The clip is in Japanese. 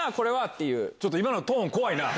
ちょっと今のトーン怖いな。